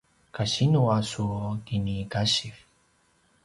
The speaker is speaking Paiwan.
kasinu a su kinikasiv?